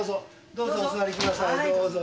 どうぞお座りください。